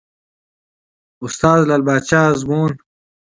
استاد : لعل پاچا ازمون